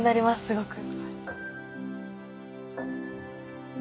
すごく。